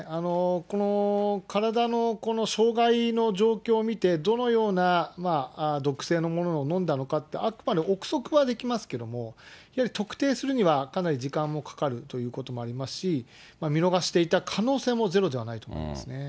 この体のこの障害の状況を見て、どのような毒性のものを飲んだのかって、あくまで臆測はできますけれども、やはり特定するにはかなり時間もかかるということもありますし、見逃していた可能性もゼロではないと思いますね。